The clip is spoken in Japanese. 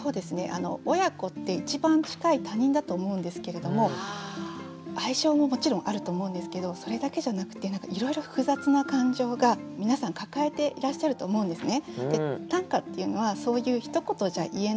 あの親子って一番近い他人だと思うんですけれども愛情ももちろんあると思うんですけどそれだけじゃなくて何かいろいろ複雑な感情が皆さん抱えていらっしゃると思うんですね。